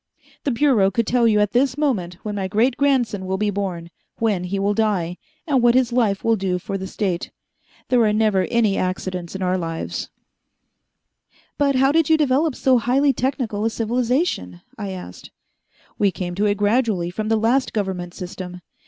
The Bureau could tell you at this moment when my great grandson will be born, when he will die, and what his life will do for the State. There are never any accidents in our lives." "But how did you develop so highly technical a civilization?" I asked. "We came to it gradually from the last government system.